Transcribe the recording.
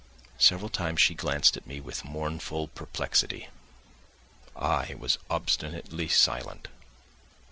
Several times she glanced at me with mournful perplexity. I was obstinately silent.